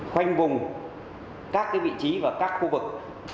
khoanh vùng các vị trí và các khu vực